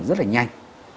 rất là nhanh